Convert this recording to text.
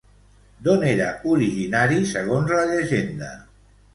D'on era originari, segons la llegenda?